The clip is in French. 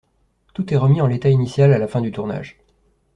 Tout est remis en l'état initial à la fin du tournage.